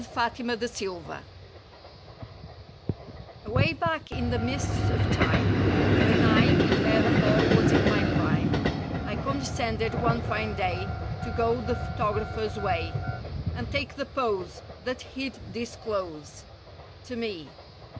MY OLD PHOTOGRAPH Away back in the mists of Time, When I, if e'er, was in my prime; I condescended one fine day To go the photographer's way. And take the pose That he'd disclose— To me.